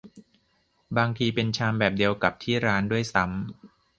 บางทีเป็นชามแบบเดียวกับที่ร้านด้วยซ้ำ